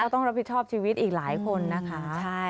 ต้องรับผิดชอบชีวิตอีกหลายคนนะคะ